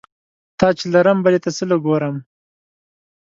تا چې لرم بلې ته څه له ګورم؟